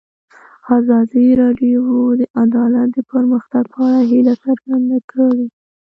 ازادي راډیو د عدالت د پرمختګ په اړه هیله څرګنده کړې.